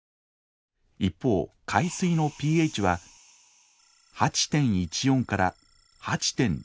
一方海水のｐＨは８．１４から８．０６。